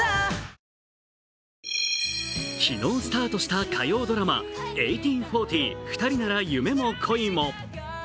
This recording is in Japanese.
昨日スタートした火曜ドラマ「１８／４０ふたりなら夢も恋も」。